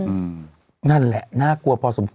มีสารตั้งต้นเนี่ยคือยาเคเนี่ยใช่ไหมคะ